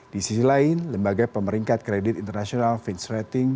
di sisi lain lembaga pemeringkat kredit internasional fins rating